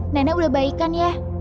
nenek udah baik kan ya